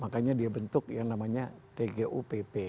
makanya dia bentuk yang namanya tgupp